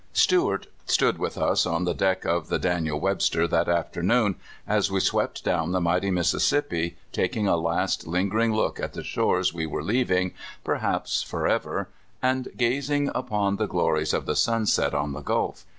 Stewart stood with us on the deck of the '* Dan iel Webster" that afternoon as we swept down the mighty Mississippi, taking a last, lingering look at the shores we were leaving, perhaps forever, and gazing upon the glories of the sunset on the Gulf.